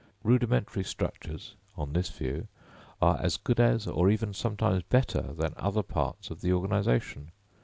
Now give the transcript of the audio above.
Rudimentary structures on this view are as good as, or even sometimes better than other parts of the organisation.